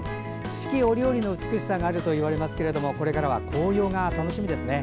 四季折々の美しさがあるといわれますけれどもこれからは紅葉が楽しみですね。